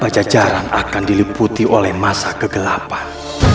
pajajaran akan diliputi oleh masa kegelapan